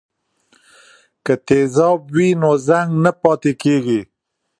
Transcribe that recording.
که تیزاب وي نو زنګ نه پاتې کیږي.